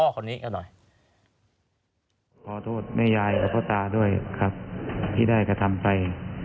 คนนี้ก็หน่อยขอโทษแม่ยายกับพ่อตาด้วยครับที่ได้กระทำไป